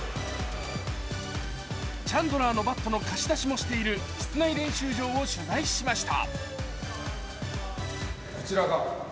チャンドラーのバットの貸し出しもしている室内練習場も取材しました。